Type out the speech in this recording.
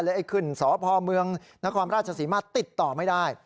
บิวะคุณฟิลโวติดต่อไม่ได้